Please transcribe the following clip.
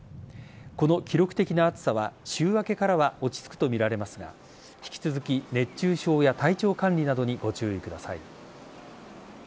この記録的な暑さは週明けからは落ち着くとみられますが引き続き熱中症や体調管理などにご注意ください。